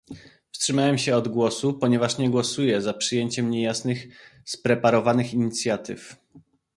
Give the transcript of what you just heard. Wstrzymałem się od głosu, ponieważ nie głosuję za przyjęciem niejasnych, "spreparowanych" inicjatyw